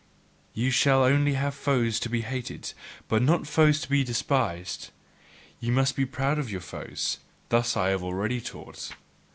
Ye shall only have foes to be hated; but not foes to be despised: ye must be proud of your foes. Thus have I already taught.